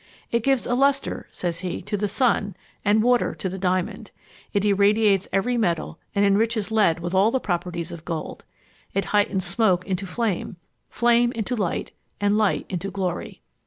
'It gives a lustre,' says he, 'to the sun, and water to the diamond. It irradiates every metal, and enriches lead with all the properties of gold. It heightens smoke into flame, flame into light, and light into glory.'